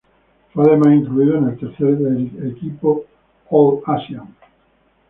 Fue además incluido en el tercer equipo All-American.